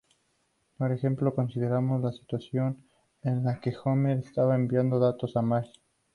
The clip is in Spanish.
Por ejemplo, consideramos la situación en la que Homer está enviado datos a Marge.